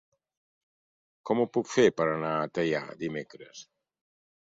Com ho puc fer per anar a Teià dimecres?